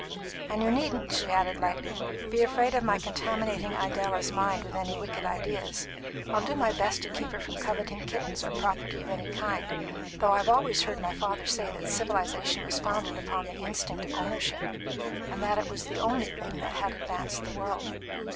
And you needn't," she added lightly, "be afraid of my contaminating Idella's mind with any wicked ideas. I'll do my best to keep her from coveting kittens or property of any kind; though I've always heard my father say that civilisation was founded upon the instinct of ownership, and that it was the only thing that had advanced the world.